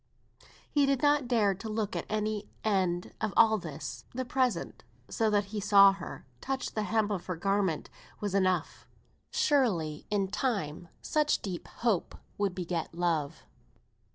He did not dare to look to any end of all this; the present, so that he saw her, touched the hem of her garment, was enough. Surely, in time, such deep love would beget love.